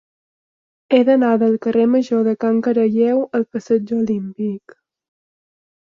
He d'anar del carrer Major de Can Caralleu al passeig Olímpic.